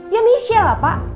ya michelle lah pak